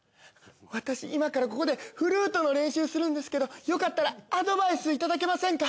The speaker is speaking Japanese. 私今からここでフルートの練習するんですけどよかったらアドバイスいただけませんか？